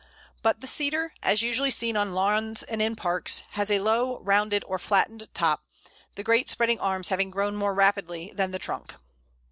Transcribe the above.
But the Cedar, as usually seen on lawns and in parks, has a low, rounded, or flattened top, the great spreading arms having grown more rapidly than the trunk.